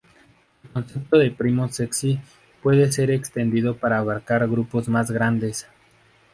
El concepto de primos sexy puede ser extendido para abarcar grupos más grandes.